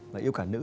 và yêu cả nữ